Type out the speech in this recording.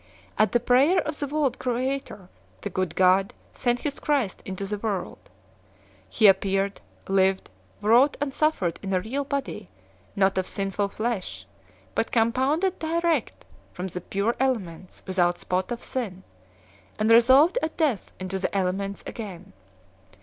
At the prayer of the world creator the Good God sent his Christ into the world. He appeared, lived, wrought and sufiered in a real body, not of sinful flesh, but compounded direct from the pure elements without spot of sin, and resolved at death into the elements again.